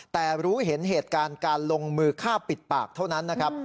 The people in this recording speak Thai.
แต่รู้เห็นเหตุการณ์การลงมือฆ่าปิดปากเท่านั้นนะครับ